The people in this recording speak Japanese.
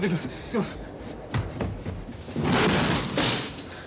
すいません。